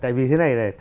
tại vì thế này là